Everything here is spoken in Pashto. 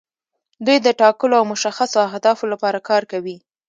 دوی د ټاکلو او مشخصو اهدافو لپاره کار کوي.